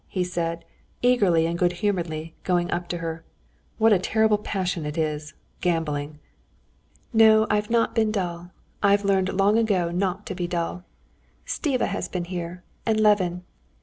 he said, eagerly and good humoredly, going up to her. "What a terrible passion it is—gambling!" "No, I've not been dull; I've learned long ago not to be dull. Stiva has been here and Levin."